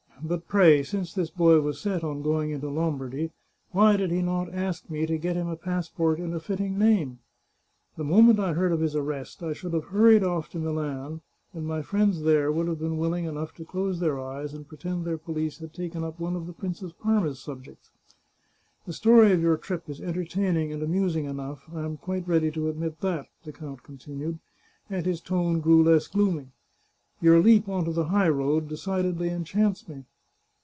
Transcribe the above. " But pray, since this boy was set on going into Lombardy, why did he not ask me to get him a passport in a fitting name? 184 The Chartreuse of Parma The moment I heard of his arrest I should have hurried off to Milan, and my friends there would have been willing enough to close their eyes and pretend their police had taken up one of the Prince of Parma's subjects. The story of your trip is entertaining and amusing enough, I am quite ready to admit that," the count continued, and his tone grew less gloomy. " Your leap on to the high road de cidedly enchants me.